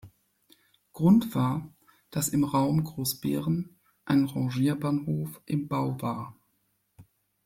Grund war, dass im Raum Großbeeren ein Rangierbahnhof im Bau war.